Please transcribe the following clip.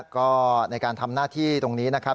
ก็ในการทำหน้าที่ตรงนี้นะครับ